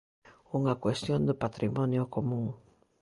Unha cuestión de patrimonio común.